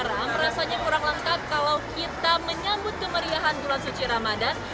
sekarang rasanya kurang lengkap kalau kita menyambut kemeriahan bulan suci ramadan